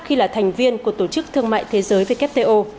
khi là thành viên của tổ chức thương mại thế giới wto